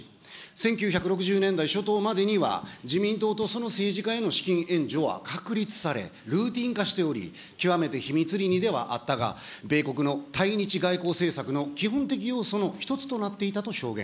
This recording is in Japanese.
１９６０年代初頭までには自民党とその政治家への資金援助は確立され、ルーティーン化しており、極めて秘密裏にではあったが、米国の対日外交政策の基本的要素の一つとなっていたと証言。